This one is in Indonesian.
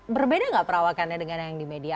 berbeda nggak perawakannya dengan yang di media